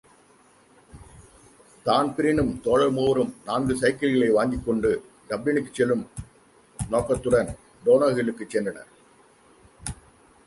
தான்பிரீனும் தோழர் மூவரும் நான்கு சைக்கில்களை வாங்கிக்கொண்டு, டப்ளினுக்குச் செல்லும் நோக்கத்துடன், டோனோஹில்லுக்குச் சென்றனர்.